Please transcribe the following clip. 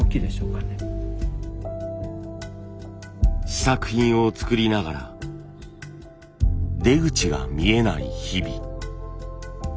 試作品を作りながら出口が見えない日々。